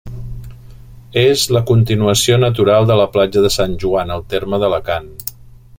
És la continuació natural de la Platja de Sant Joan, al terme d'Alacant.